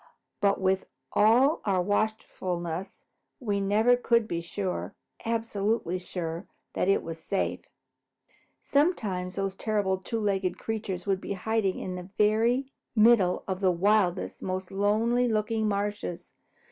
But with all our watchfulness, we never could be sure, absolutely sure, that all was safe. Sometimes those terrible two legged creatures would be hiding in the very middle of the wildest, most lonely looking marshes.